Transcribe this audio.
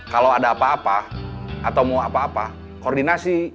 kalau ada apa apa atau mau apa apa koordinasi